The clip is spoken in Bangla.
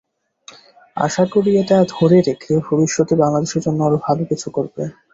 আশা করি এটা ধরে রেখে ভবিষ্যতে বাংলাদেশের জন্য আরও ভালো কিছু করবে।